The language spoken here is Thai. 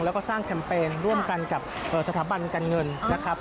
แล้วก็สร้างแคมเปญร่วมกันกับสถาบันการเงินนะครับ